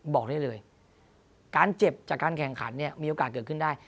บอกได้เลยการเจ็บจากการแข่งขันเนี่ยมีโอกาสเกิดขึ้นได้